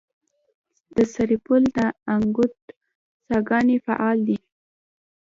د سرپل د انګوت څاګانې فعالې دي؟